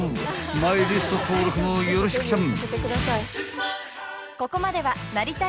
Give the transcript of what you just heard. マイリスト登録もよろしくちゃん］